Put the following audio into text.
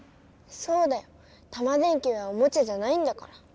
そうだよタマ電Ｑはおもちゃじゃないんだから。